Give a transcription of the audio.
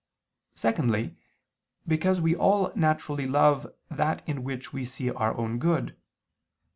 _ Secondly, because we all naturally love that in which we see our own good.